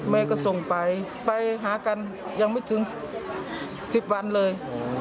แม่ก็ส่งไปไปหากันยังไม่ถึง๑๐วันเลย